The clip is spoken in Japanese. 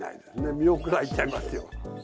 見送られちゃいますよ。